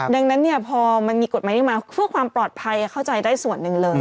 ดังนั้นพอมันมีกฎหมายนี้มาเพื่อความปลอดภัยเข้าใจได้ส่วนหนึ่งเลย